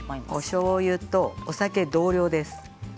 おしょうゆとお酒は同量です。